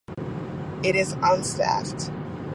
It is unstaffed.